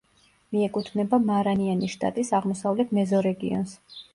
მიეკუთვნება მარანიანის შტატის აღმოსავლეთ მეზორეგიონს.